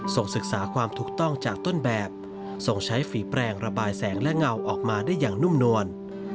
ส่งศึกษาความถูกต้องจากต้นแบบส่งใช้ฝีแปลงระบายแสงและเงาออกมาได้อย่างนุ่มนวล